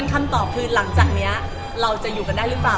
คำตอบคือหลังจากนี้เราจะอยู่กันได้หรือเปล่า